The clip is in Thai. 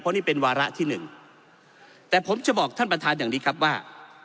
นี่เป็นวาระที่หนึ่งแต่ผมจะบอกท่านประธานอย่างนี้ครับว่า